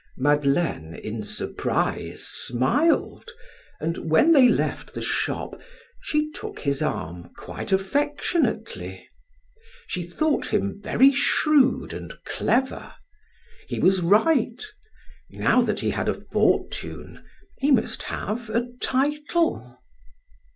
Madeleine, in surprise, smiled, and when they left the shop, she took his arm quite affectionately. She thought him very shrewd and clever. He was right; now that he had a fortune he must have a title.